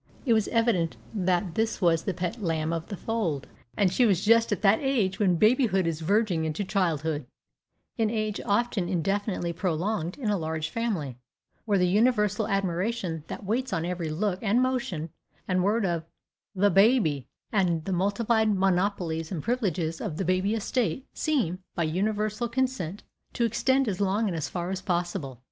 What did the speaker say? It was evident that this was the pet lamb of the fold, and she was just at that age when babyhood is verging into childhood an age often indefinitely prolonged in a large family, where the universal admiration that waits on every look, and motion, and word of the baby, and the multiplied monopolies and privileges of the baby estate, seem, by universal consent, to extend as long and as far as possible.